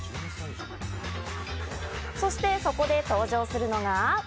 そして、そこで登場するのが。